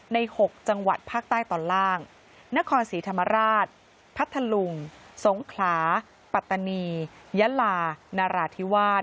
๖จังหวัดภาคใต้ตอนล่างนครศรีธรรมราชพัทธลุงสงขลาปัตตานียะลานราธิวาส